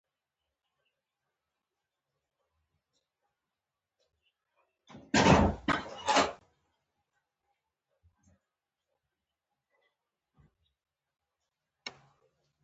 له ستونزو سره مقابله د زغم یوه برخه ده.